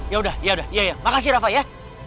ya udah ya udah ya makasih rafa ya